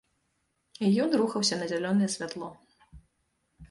Ён рухаўся на зялёнае святло.